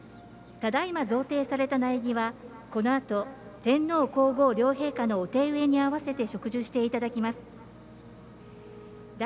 ただいま贈呈された苗木はこのあと、天皇皇后両陛下のお手植えに合わせて植樹していただきます。